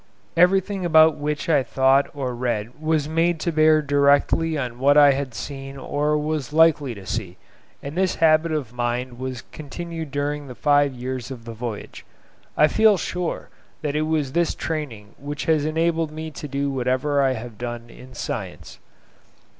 Everything about which I thought or read was made to bear directly on what I had seen or was likely to see; and this habit of mind was continued during the five years of the voyage. I feel sure that it was this training which has enabled me to do whatever I have done in science.